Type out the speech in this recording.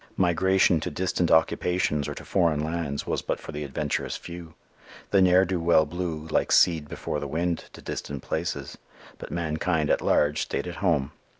Migration to distant occupations or to foreign lands was but for the adventurous few. The ne'er do well blew, like seed before the wind, to distant places, but mankind at large stayed at home.